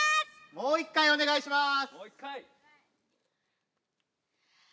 もう一回おねがいします。